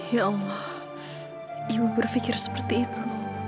ya allah ibu berpikir seperti itu